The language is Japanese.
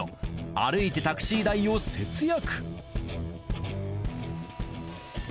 歩いてタクシー代を節約。